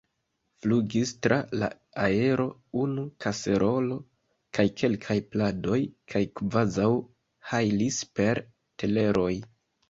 Flugis tra la aero unu kaserolo, kaj kelkaj pladoj, kaj kvazaŭ hajlis per teleroj.